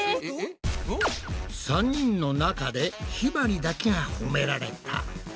３人の中でひまりだけが褒められた。